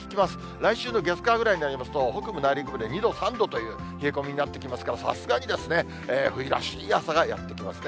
来週の月、火ぐらいになりますと、北部、内陸部で２度、３度という冷え込みになってきますから、さすがに冬らしい朝がやって来ますね。